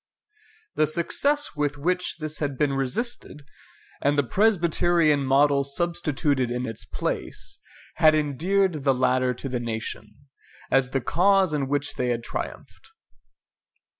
The success with which this had been resisted, and the Presbyterian model substituted in its place, had endeared the latter to the nation, as the cause in which they had triumphed.